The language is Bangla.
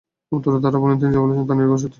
উত্তরে তারা বলেন, তিনি যা বললেন, তা নির্ঘাত সত্য।